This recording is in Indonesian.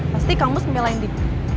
pasti kampus ngepelain dik